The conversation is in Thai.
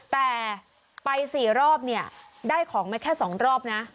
แต่ไป๔รอบเนี่ยได้ของมาแค่๒รอบนะ